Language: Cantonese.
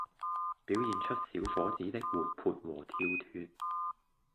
表現出小伙子的活潑和跳脫